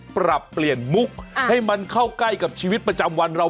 ปรับเปลี่ยนมุกให้มันเข้าใกล้กับชีวิตประจำวันเรา